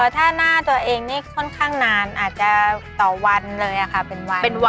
ถ้าหน้าตัวเองนี่ค่อนข้างนานอาจจะต่อวันเลยค่ะเป็นวัน